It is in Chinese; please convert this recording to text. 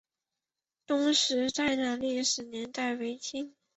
东石寨的历史年代为清。